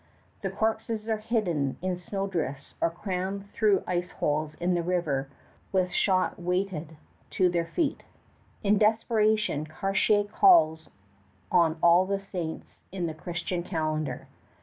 The corpses are hidden in snowdrifts or crammed through ice holes in the river with shot weighted to their feet. In desperation Cartier calls on all the saints in the Christian calendar.